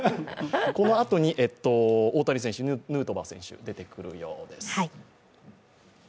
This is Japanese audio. このあと大谷選手、ヌートバー選手、出てくるようです。